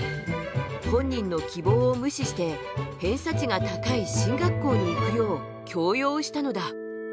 本人の希望を無視して偏差値が高い進学校に行くよう強要したのだ。